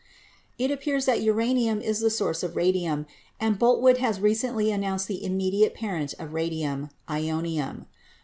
It appears that uranium is the source of radium, and Boltwood has recently announced the immediate parent of radium, "ionium."